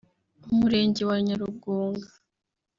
Umurenge wa Nyarugunga